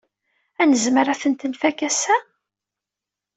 Ad nezmer ad t-nfak ass-a?